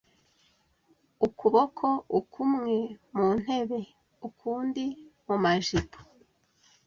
ukuboko ukumwe muntebe ukundi mumajipo”